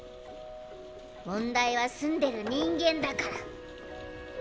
問題は住んでる人間だから。